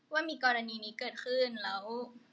ว่ามีกรณีนี้เกิดขึ้นแล้ว